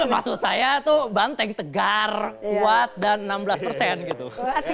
maksud saya itu banteng tegar kuat dan enam belas persen gitu